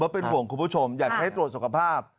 เป็นห่วงคุณผู้ชมอยากให้ตรวจสุขภาพ